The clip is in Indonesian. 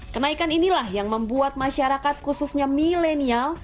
kenaikan inilah yang membuat masyarakat khususnya milenial